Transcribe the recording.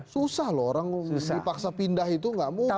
susah loh orang dipaksa pindah itu gak mudah